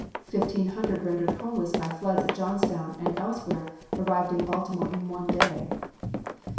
Fifteen hundred rendered homeless by floods at Johnstown and elsewhere arrived in Baltimore in one day.